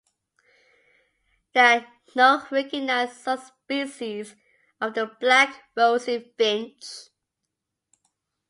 There are no recognized subspecies of the black rosy finch.